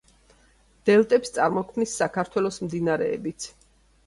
დელტებს წარმოქმნის საქართველოს მდინარეებიც.